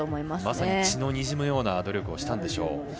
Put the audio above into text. まさに血のにじむような努力をしたんでしょう。